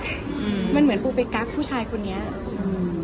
อืมมันเหมือนปูไปกักผู้ชายคนนี้อืม